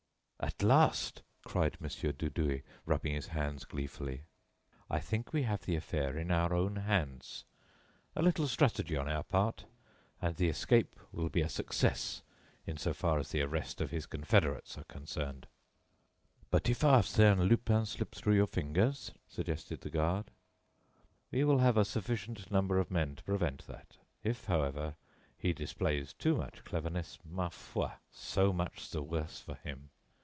"At last," cried Mon. Dudouis, rubbing his hands gleefully, "I think we have the affair in our own hands. A little strategy on our part, and the escape will be a success in so far as the arrest of his confederates are concerned." "But if Arsène Lupin slips through your fingers?" suggested the guard. "We will have a sufficient number of men to prevent that. If, however, he displays too much cleverness, ma foi, so much the worse for him!